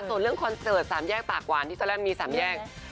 ส่วนเรื่องคอนเสิร์ต๓แยกปากหวานที่ตอนแรกมี๓แยก